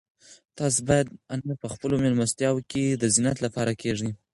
تاسو باید انار په خپلو مېلمستیاوو کې د زینت لپاره کېږدئ.